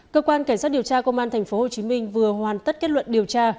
cơ quan cảnh sát điều tra công an tp hcm vừa hoàn tất kết luận điều tra